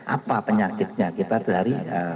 apa penyakitnya kita dari